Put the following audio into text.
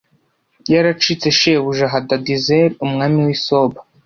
yaracitse shebuja hadadezeri umwami w i soba